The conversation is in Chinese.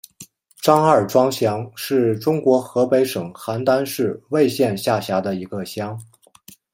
张二庄乡是中国河北省邯郸市魏县下辖的一个乡。